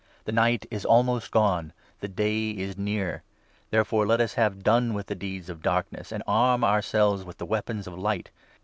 The night is almost gone ; the day is near. Therefore let us 12 have done with the deeds of Darkness, and arm ourselves with the weapons of Light.